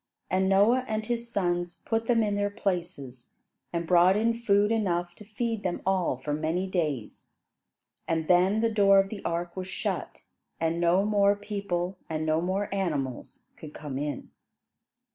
And Noah and his sons put them in their places, and brought in food enough to feed them all for many days. And then the door of the ark was shut and no more people and no more animals could come in.